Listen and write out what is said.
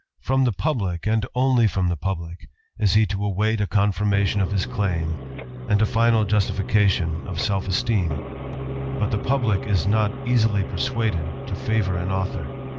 From the publick, and only from the publick, is he to *^t a confirmation of his claim, and a final justification of stf esteem; but the publick is not easily persuaded to ^vour an author.